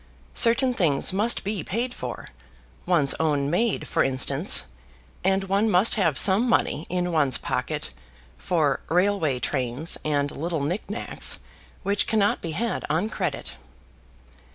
Certain things must be paid for, one's own maid for instance; and one must have some money in one's pocket for railway trains and little knick knacks which cannot be had on credit.